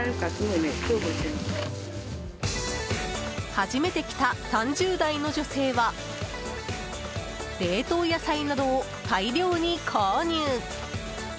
初めて来た３０代の女性は冷凍野菜などを大量に購入。